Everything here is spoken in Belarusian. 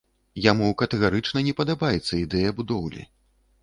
Яму катэгарычна не падабаецца ідэя будоўлі.